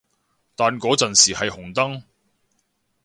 但嗰陣時係紅燈